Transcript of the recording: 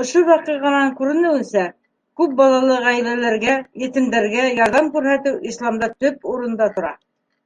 Ошо ваҡиғанан күренеүенсә, күп балалы ғаиләләргә, етемдәргә ярҙам күрһәтеү Исламда төп урында тора.